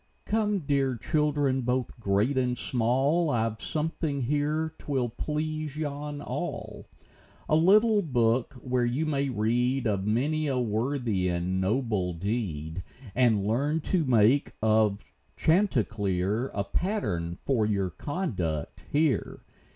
Come, children dear, both great and small ; I've something here 'twill please yon all — A little book, where you may read Of many a worthy, noble deed, And learn to make of Chanticleer A pattern for your conduct here.